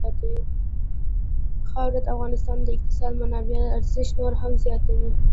خاوره د افغانستان د اقتصادي منابعو ارزښت نور هم زیاتوي.